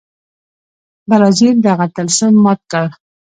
برازیل دغه طلسم مات کړ.